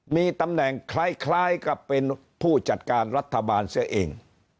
มีตำแหน่งคล้ายกับเป็นผู้จัดการรัฐบาลเสียเอง